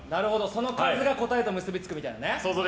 その数が答えと結びつくみたいなね。